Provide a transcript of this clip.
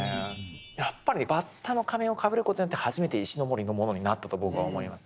やっぱりバッタの仮面をかぶる事によって初めて石森のものになったと僕は思います。